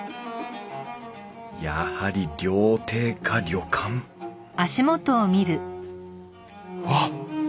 やはり料亭か旅館わっ！